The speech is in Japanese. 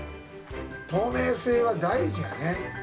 透明性は大事やね。